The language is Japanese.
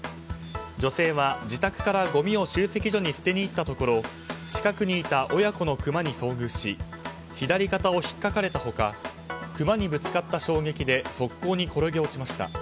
女性は、自宅からごみを集積所に捨てに行ったところ近くにいた親子のクマに遭遇し左肩をひっかかれた他クマにぶつかった衝撃で側溝に転げ落ちました。